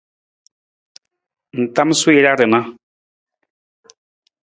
Ng tamasuu jara rana.